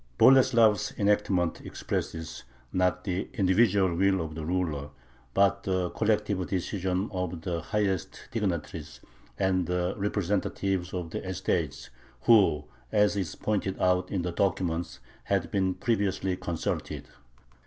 Boleslav's enactment expresses, not the individual will of the ruler, but the collective decision of the highest dignitaries and the representatives of the estates, who, as is pointed out in the document, had been previously consulted.